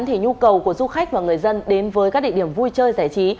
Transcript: thì nhu cầu của du khách và người dân đến với các địa điểm vui chơi giải trí